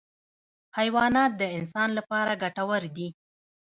حیوانات د انسان لپاره ګټور دي.